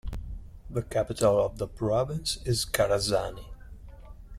The capital of the province is Charazani.